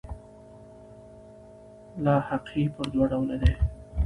لاحقې پر دوه ډوله دي.